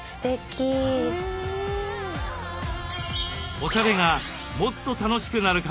おしゃれがもっと楽しくなるかも！